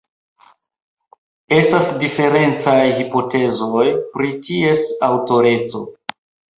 Estas diferencaj hipotezoj pri ties aŭtoreco.